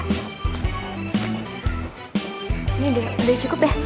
ini udah cukup ya